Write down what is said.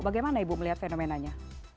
bagaimana bu melihat fenomenanya